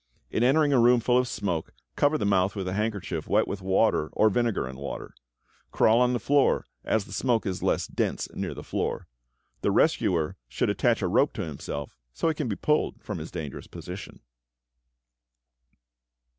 In entering a room full of smoke, cover the mouth with a handkerchief wet with water or vinegar and water. Crawl on the floor, as the smoke is less dense near the floor. The rescuer should attach a rope to himself, so he can be pulled from his dangerous position.